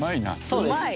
そうです。